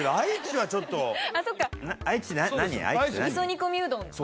味噌煮込みうどんです。